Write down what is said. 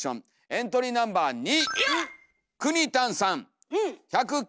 エントリーナンバー２！